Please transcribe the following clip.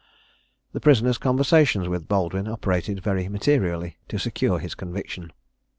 The prisoner's conversations with Baldwin operated very materially to secure his conviction.